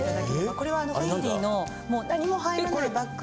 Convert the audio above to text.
これはフェンディのもう何も入らないバッグ。